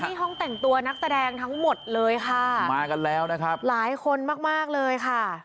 ห้องแต่งตัวนักแสดงทั้งหมดเลยค่ะมากันแล้วนะครับหลายคนมากมากเลยค่ะ